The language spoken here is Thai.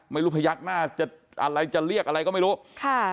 พยักหน้าจะอะไรจะเรียกอะไรก็ไม่รู้ค่ะ